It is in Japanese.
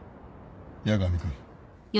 八神君。